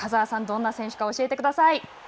どんな選手か教えてください。